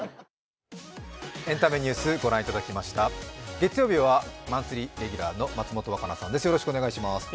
月曜日はマンスリーレギュラーの松本若菜さんです。